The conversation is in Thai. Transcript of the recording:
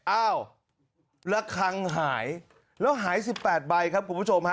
อ้าวระคังหายแล้วหาย๑๘ใบครับคุณผู้ชมฮะ